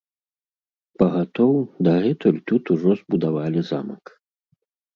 Пагатоў, дагэтуль тут ужо збудавалі замак.